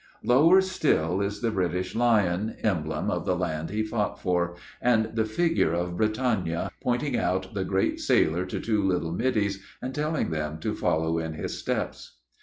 Lower still is the British Lion, emblem of the land he fought for, and the figure of Britannia, pointing out the great sailor to two little middies, and telling them to follow in his steps.